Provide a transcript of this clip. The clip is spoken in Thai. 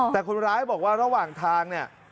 แต่คนร้ายบอกว่าระหว่างทางเนี่ย